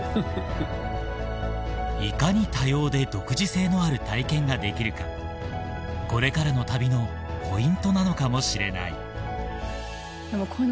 いかに多様で独自性のある体験ができるかこれからの旅のポイントなのかもしれない